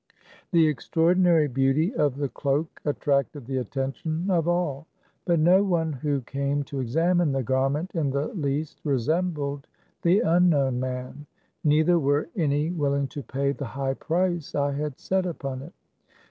The extraordinary beauty of the cloak at tracted the attention of all, but no one who came to examine the garment in the least resem bled the unknown man. Neither were any will ing to pay the high price I had set upon it.